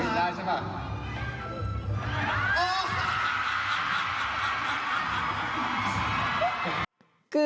ออย่าแม่